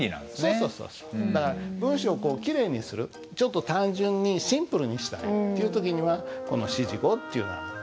そうそうそうそうだから文章をキレイにするちょっと単純にシンプルにしたいっていう時にはこの指示語っていうのは大切。